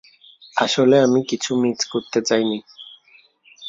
আসলে আমি কিছু মিস করতে চাইনি।